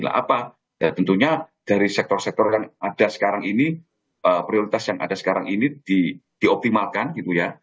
nah apa tentunya dari sektor sektor yang ada sekarang ini prioritas yang ada sekarang ini dioptimalkan gitu ya